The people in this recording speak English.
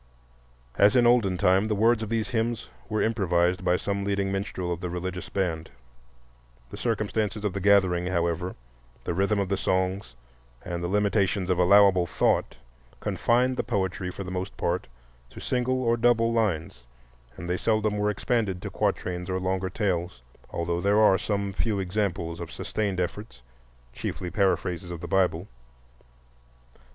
As in olden time, the words of these hymns were improvised by some leading minstrel of the religious band. The circumstances of the gathering, however, the rhythm of the songs, and the limitations of allowable thought, confined the poetry for the most part to single or double lines, and they seldom were expanded to quatrains or longer tales, although there are some few examples of sustained efforts, chiefly paraphrases of the Bible.